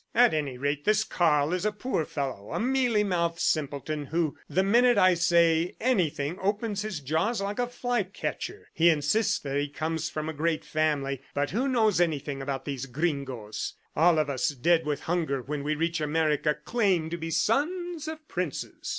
"At any rate, this Karl is a poor fellow, a mealy mouthed simpleton who the minute I say anything opens his jaws like a fly catcher. He insists that he comes of a great family, but who knows anything about these gringoes? ... All of us, dead with hunger when we reach America, claim to be sons of princes."